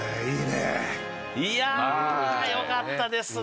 いやよかったですね！